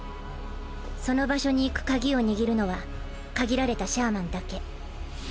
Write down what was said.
その場所に行く鍵を握るのは限られたシャーマンだけ。